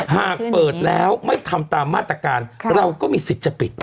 หากเปิดแล้วไม่ทำตามมาตรการเราก็มีสิทธิ์จะปิด